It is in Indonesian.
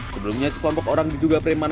sebelumnya sekelompok orang diduga preman